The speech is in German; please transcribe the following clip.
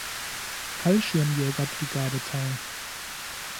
Fallschirmjäger-Brigade teil.